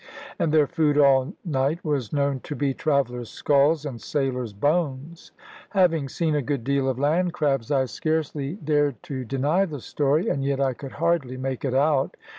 And their food all night was known to be travellers' skulls and sailors' bones. Having seen a good deal of land crabs, I scarcely dared to deny the story, and yet I could hardly make it out.